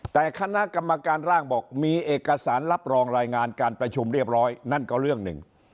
แต่คณะกรรมการร่างบอกมีเอกสารรับรองรายงานการประชุมเรียบร้อยนั่นก็เรื่องหนึ่ง